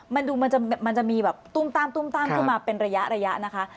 มันจะมีตุ้มตามมาเป็นระยะนะคะ